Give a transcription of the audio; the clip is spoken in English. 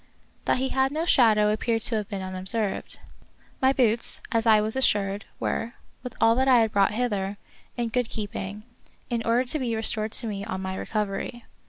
That he had no shadow appeared to have been unobserved. My boots, as I was assured, were, with all that I had brought hither, in good keeping, in order to be restored to me on my recovery.